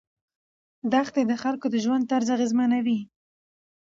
دښتې د خلکو د ژوند طرز اغېزمنوي.